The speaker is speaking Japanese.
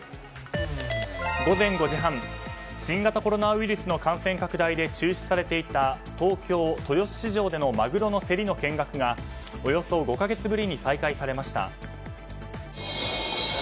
午前５時半新型コロナウイルスの感染拡大で中止されていた東京・豊洲市場でのマグロの競りの見学がおよそ５か月ぶりに再開されました。